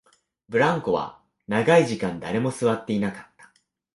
ブランコは長い時間、誰も座っていなかった